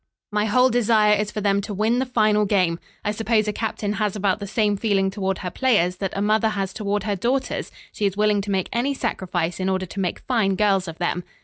My whole desire is for them to win the final game. I suppose a captain has about the same feeling toward her players that a mother has toward her daughters. She is willing to make any sacrifice in order to make fine girls of them."